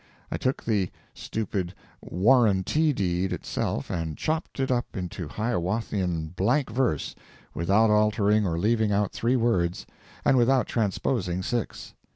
I took the stupid "Warranty Deed" itself and chopped it up into Hiawathian blank verse without altering or leaving out three words, and without transposing six.